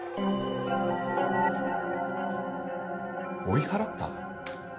追い払った？